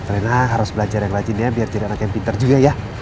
rena harus belajar yang rajin ya biar jadi anak yang pintar juga ya